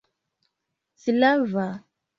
slava